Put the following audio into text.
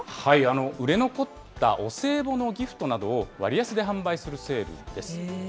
売れ残ったお歳暮のギフトなどを、割安で販売するセールです。